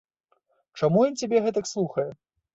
Чаму ён цябе гэтак слухае?